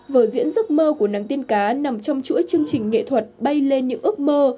vở diễn giấc mơ của nàng tiên cá nằm trong chuỗi chương trình nghệ thuật bay lên những ước mơ